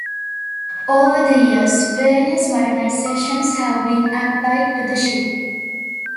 Over the years, various modernizations have been applied to the ship.